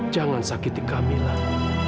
jangan sakiti kamilah